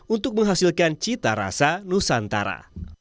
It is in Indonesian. untuk menghasilkan cita rasa nusantara